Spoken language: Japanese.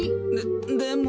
でも。